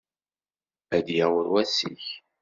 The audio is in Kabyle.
Ad d-yaweḍ wass-ik.